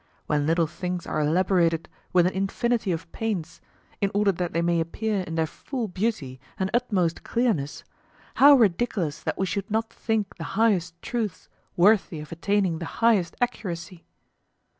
When little things are elaborated with an infinity of pains, in order that they may appear in their full beauty and utmost clearness, how ridiculous that we should not think the highest truths worthy of attaining the highest accuracy!